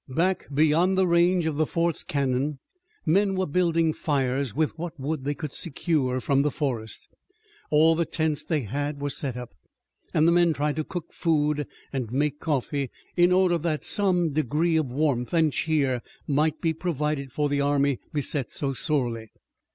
Back beyond the range of the fort's cannon men were building fires with what wood they could secure from the forest. All the tents they had were set up, and the men tried to cook food and make coffee, in order that some degree of warmth and cheer might be provided for the army beset so sorely.